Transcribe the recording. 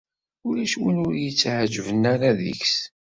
Ulac win ur yetɛejjben ara deg-s.